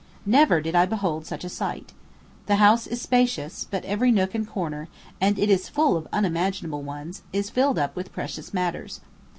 Never did I behold such a sight. The house is spacious, but every nook and corner and it is full of unimaginable ones is filled up with precious matters.